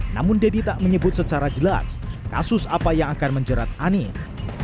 namun deddy tak menyebut secara jelas kasus apa yang akan menjerat anies